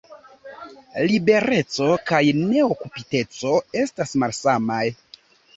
Libereco kaj neokupiteco estas malsamaj.